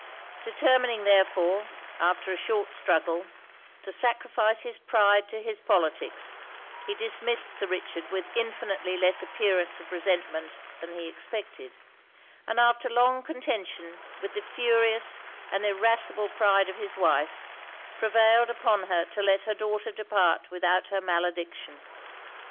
Determining therefore, after a short struggle, to sacrifice his pride to his politics, he dismissed Sir Richard with infinitely less appearance of resentment than he expected; and after long contention with the furious and irascible pride of his wife, prevailed upon her to let her daughter depart without her malediction.